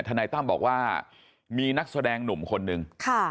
นายตั้มบอกว่ามีนักแสดงหนุ่มคนนึง